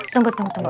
tunggu tunggu tunggu